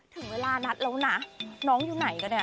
ถึงเวลานัดแล้วนะน้องอยู่ไหนกันเนี่ย